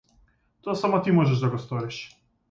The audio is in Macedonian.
Тоа само ти можеш да го сториш.